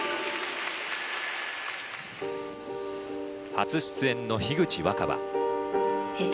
初出演の口新葉。